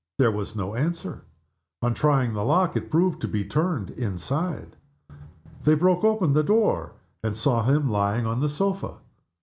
There was no answer. On trying the lock it proved to be turned inside. They broke open the door, and saw him lying on the sofa.